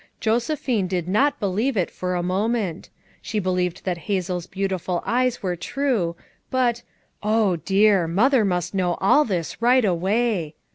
Josephine did not be lieve it for a moment; she believed that Hazel's beautiful eyes were true; but— dear! Mother must know all this right away.